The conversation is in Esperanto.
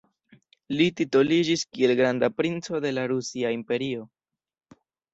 Li titoliĝis kiel granda princo de la Rusia Imperio.